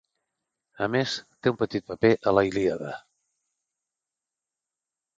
A més, té un petit paper a la "Ilíada".